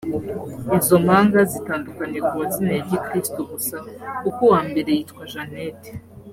Izo mpanga zitandukaniye ku mazina ya gikristu gusa kuko uwa mbere yitwa Jeanette